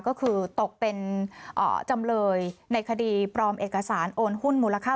ก็คือตกเป็นจำเลยในคดีปลอมเอกสารโอนหุ้นมูลค่า